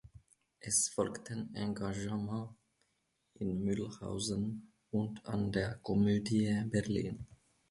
Es folgten Engagements in Mülhausen und an der Komödie Berlin.